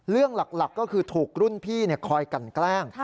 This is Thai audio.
หลักก็คือถูกรุ่นพี่คอยกันแกล้ง